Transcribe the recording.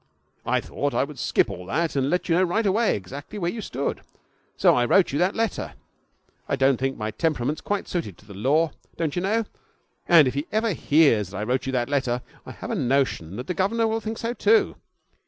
I thought I would skip all that and let you know right away exactly where you stood, so I wrote you that letter. I don't think my temperament's quite suited to the law, don't you know, and if he ever hears that I wrote you that letter I have a notion that the governor will think so too.